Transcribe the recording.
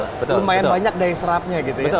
karena lumayan banyak daya serapnya gitu ya